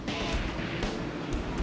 tapi gak seru gampang itu mon